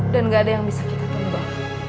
dan gak ada yang bisa kita tembak